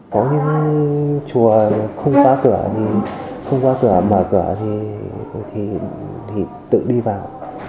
có những chùa không khóa cửa thì không có cửa mở cửa thì tự đi vào